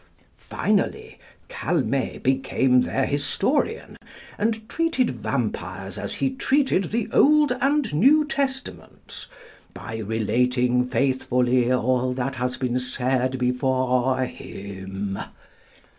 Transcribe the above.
Finally, Calmet became their historian, and treated vampires as he treated the Old and New Testaments, by relating faithfully all that has been said before him.